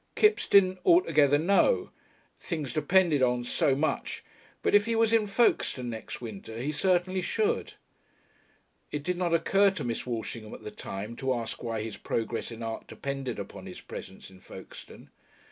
Kipps didn't "altogether know" "things depended on so much," but if he was in Folkestone next winter he certainly should. It did not occur to Miss Walshingham at the time to ask why his progress in art depended upon his presence in Folkestone.